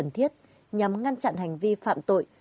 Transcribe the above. cần thiết nhằm ngăn chặn hành vi phạm tội